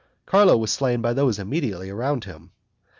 Carlo was slain by those immediately around him.